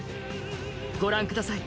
ご覧ください